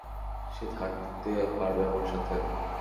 সে থাকতে পারবে আমার সাথে?